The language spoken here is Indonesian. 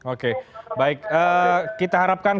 oke baik kita harapkan